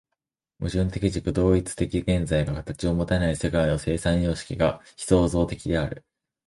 矛盾的自己同一的現在が形をもたない世界の生産様式が非創造的である。